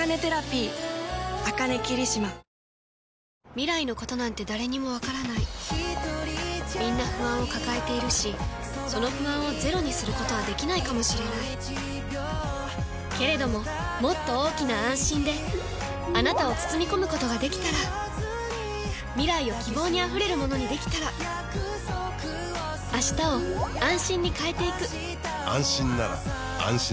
未来のことなんて誰にもわからないみんな不安を抱えているしその不安をゼロにすることはできないかもしれないけれどももっと大きな「あんしん」であなたを包み込むことができたら未来を希望にあふれるものにできたら変わりつづける世界に、「あんしん」を。